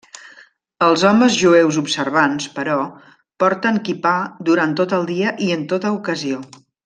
Els homes jueus observants, però, porten quipà durant tot el dia i en tota ocasió.